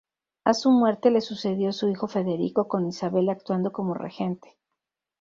A su muerte, le sucedió su hijo Federico, con Isabel actuando como regente.